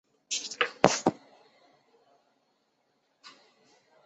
学院拥有校本部。